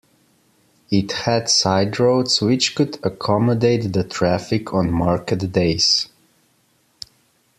It had side roads which could accommodate the traffic on market days.